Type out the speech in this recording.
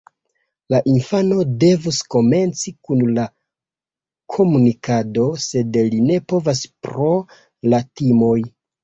La infano devus komenci kun la komunikado, sed li ne povas pro la timoj.